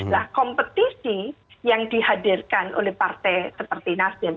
nah kompetisi yang dihadirkan oleh partai seperti nasdem